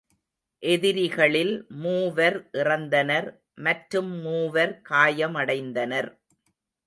எதிரிகளில் மூவர் இறந்தனர் மற்றும் மூவர் காயமடைந்தனர்.